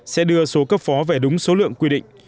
sẽ đưa số cấp phó về đúng số lượng quy định